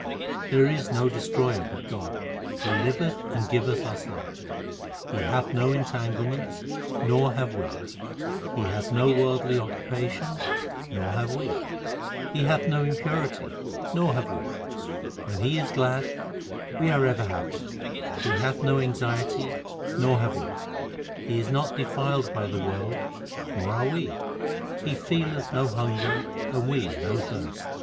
There is no destroyer but God ; He liveth and giveth us life. He hath no entanglements, nor have we ; He hath no worldly occupations, nor have we ; He hath no impurity, nor have we When He is glad, we are ever happy He hath no anxiety, nor have we ; He is not defiled by the world, nor are we ; He feeleth no hunger, and we no thirst.